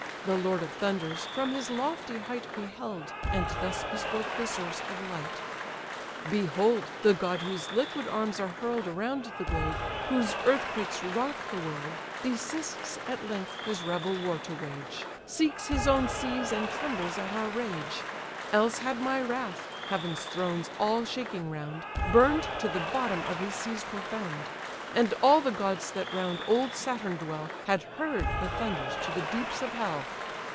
The lord of thunders, from his lofty height Beheld, and thus bespoke the source of light: "Behold! the god whose liquid arms are hurl'd Around the globe, whose earthquakes rock the world, Desists at length his rebel war to wage, Seeks his own seas, and trembles at our rage; Else had my wrath, heaven's thrones all shaking round, Burn'd to the bottom of his seas profound; And all the gods that round old Saturn dwell Had heard the thunders to the deeps of hell.